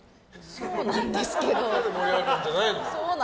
そうなんですけど。